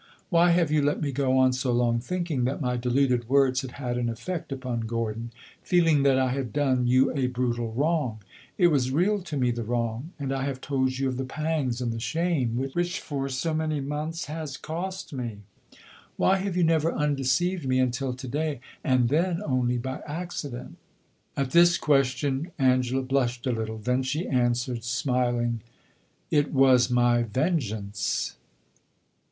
"Why have you let me go on so long thinking that my deluded words had had an effect upon Gordon feeling that I had done you a brutal wrong? It was real to me, the wrong and I have told you of the pangs and the shame which, for so many months, it has cost me! Why have you never undeceived me until to day, and then only by accident?" At this question Angela blushed a little; then she answered, smiling "It was my vengeance."